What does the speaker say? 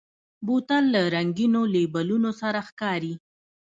بوتل له رنګینو لیبلونو سره ښکاري.